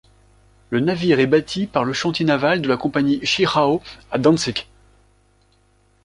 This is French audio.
Le navire est bâti par le chantier naval de la compagnie Schichau à Dantzig.